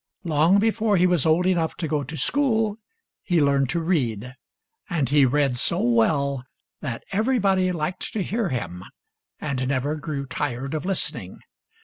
Long before he was old enough to go to school, he learned to read ; and he read so well that everybody liked to hear him and never grew tired of listening.